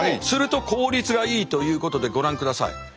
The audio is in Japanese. すると効率がいいということでご覧ください。